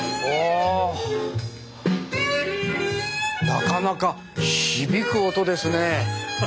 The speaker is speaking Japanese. なかなか響く音ですね。